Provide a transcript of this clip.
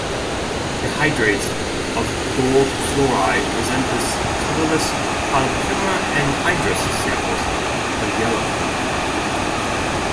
The hydrates of AgF present as colourless, while pure anhydrous samples are yellow.